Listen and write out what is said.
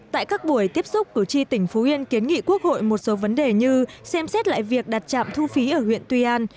tại các buổi tiếp xúc cử tri tỉnh phú yên kiến nghị quốc hội một số vấn đề như xem xét lại việc đặt trạm thu phí ở huyện tuy an